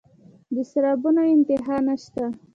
د سرابونو انتها نشته